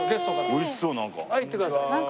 美味しそうなんか。